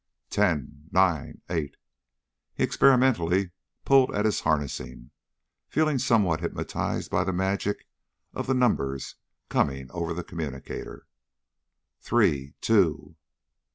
"Ten ... nine ... eight...." He experimentally pulled at his harnessing, feeling somewhat hypnotized by the magic of the numbers coming over the communicator. "Three ... two...."